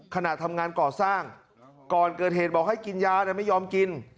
ขณะทำงานก่อสร้างก่อนเกิดเหตุบอกให้กินยาแต่ไม่ยอมกิน